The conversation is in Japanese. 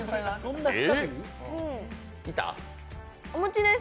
お餅です！